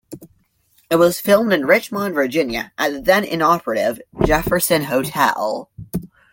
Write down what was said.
It was filmed in Richmond, Virginia, at the then-inoperative Jefferson Hotel.